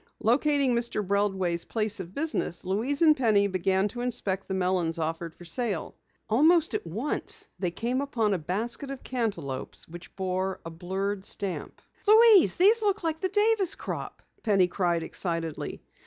Locating Mr. Breldway's place of business, Louise and Penny began to inspect the melons offered for sale. Almost at once they came upon a basket of cantaloupes which bore a blurred stamp. "Louise, these look like the Davis crop!" Penny cried excitedly.